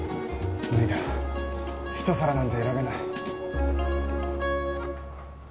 無理だ１皿なんて選べない。